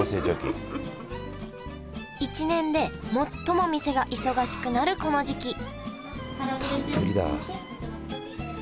１年で最も店が忙しくなるこの時期たっぷりだ。